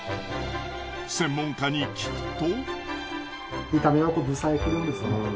専門家に聞くと。